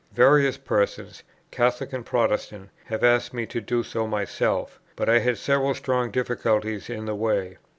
Various persons, Catholic and Protestant, have asked me to do so myself; but I had several strong difficulties in the way.